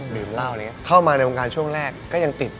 ดื่มร้าวนะเนี่ยเข้ามาในวงการช่วงแรกก็ยังติด